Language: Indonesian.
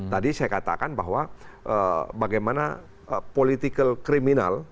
tadi saya katakan bahwa bagaimana political criminal